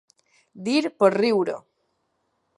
Dir per riure.